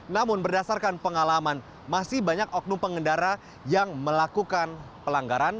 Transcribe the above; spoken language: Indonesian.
namun berdasarkan pengalaman masih banyak oknum pengendara yang melakukan pelanggaran